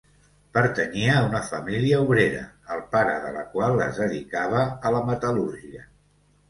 Pertanyia a una família obrera, el pare de la qual es dedicava a la metal·lúrgia.